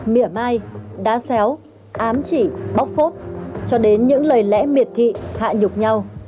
mỉa mai đá xéo ám chỉ bóc phốt cho đến những lời lẽ miệt thị hạ nhục nhau